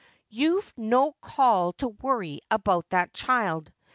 ' You've no call to worry about that, child.